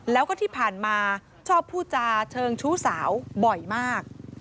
แล้วก็ที่ผ่านมาชอบพูดจาเชิงชู้สาวบ่อยมาก